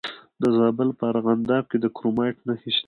د زابل په ارغنداب کې د کرومایټ نښې شته.